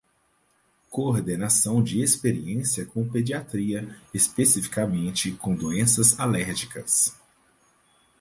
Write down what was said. Coordenação de experiência com pediatria, especificamente com doenças alérgicas.